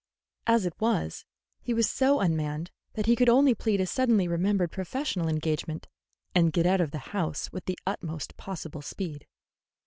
As it was, he was so unmanned that he could only plead a suddenly remembered professional engagement and get out of the house with the utmost possible speed.